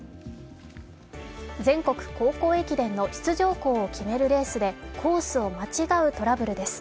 全国高校駅伝の出場校を決めるレースでコースを間違うトラブルです。